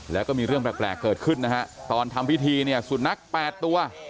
แล้วก็มีเรื่องแปลกเกิดขึ้นนะฮะตอนทำพิธีเนี่ยสุนัข๘ตัว